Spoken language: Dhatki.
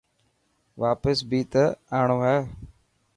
واپس بي ته آڻو هي.